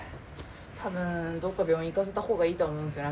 多分どこか病院行かせた方がいいと思うんですよね。